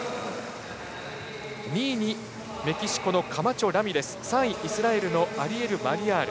２位にメキシコのカマチョラミレス３位、イスラエルのアリエル・マリヤール。